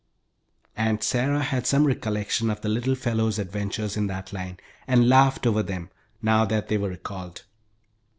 Aunt Sarah had some recollection of the little fellow's adventures in that line, and laughed over them, now that they were recalled.